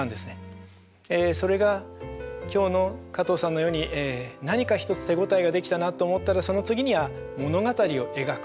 それが今日の加藤さんのように何か一つ手応えができたなと思ったらその次には物語を描く。